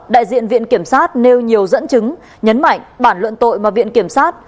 đại diện viện kiểm sát nêu nhiều dẫn chứng nhấn mạnh bản luận tội mà viện kiểm sát